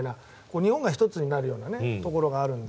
日本が１つになるようなところがあるので。